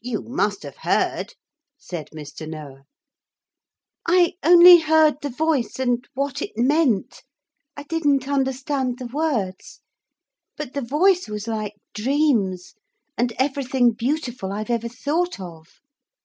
'You must have heard,' said Mr. Noah. 'I only heard the voice and what it meant. I didn't understand the words. But the voice was like dreams and everything beautiful I've ever thought of.'